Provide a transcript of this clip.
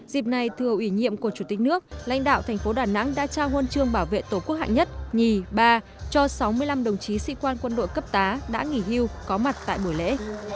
dịp này thừa ủy nhiệm của chủ tịch nước lãnh đạo thành phố đà nẵng đã trao huân chương bảo vệ tổ quốc hạng nhất nhì ba cho sáu mươi năm đồng chí sĩ quan quân đội cấp tá đã nghỉ hưu có mặt tại buổi lễ